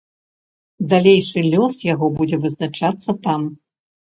Далейшы лёс яго будзе вызначацца там.